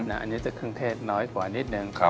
อันนี้จะเครื่องเทศน้อยกว่านิดนึง